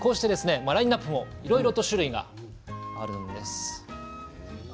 ラインナップもいろいろと種類があるんです。